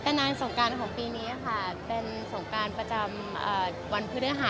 แบบนานสงการของปี๖ค่ะเป็นสงการประจำวนพึ่นวิทยาหัสนะคะ